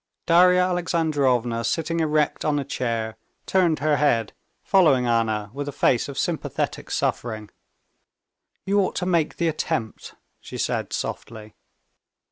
Darya Alexandrovna, sitting erect on a chair, turned her head, following Anna with a face of sympathetic suffering. "You ought to make the attempt," she said softly.